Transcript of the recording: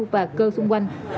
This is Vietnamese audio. và cơ xung quanh